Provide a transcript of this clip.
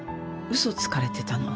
嘘つかれてたの。